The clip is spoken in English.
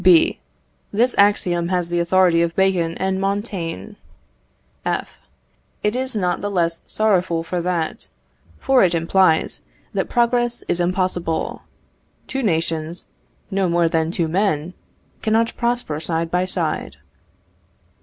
B. This axiom has the authority of Bacon and Montaigne. F. It is not the less sorrowful for that, for it implies that progress is impossible. Two nations, no more than two men, cannot prosper side by side.